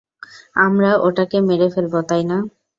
আমরা ওটাকে মেরে ফেলব, তাই না?